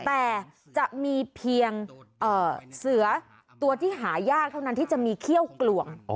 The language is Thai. แต่จะมีเพียงเสือตัวที่หายากเท่านั้นที่จะมีเขี้ยวกลวง